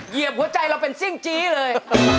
เหยียบหัวใจเราเป็นซิ่งจี้เลย